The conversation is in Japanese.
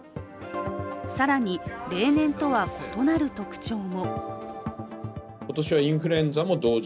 更に例年とは異なる特徴も。